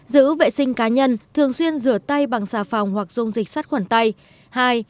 một giữ vệ sinh cá nhân thường xuyên rửa tay bằng xà phòng hoặc dùng dịch sát khoản tay